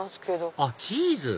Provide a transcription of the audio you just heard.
あっチーズ！